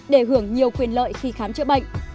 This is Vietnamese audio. để hưởng nhiều quyền lợi khi khám chữa bệnh